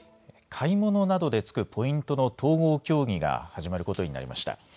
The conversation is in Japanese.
買い物などで付くポイントの統合協議が始まることになりました。